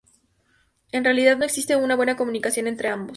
En realidad, no existe una buena comunicación entre ambos.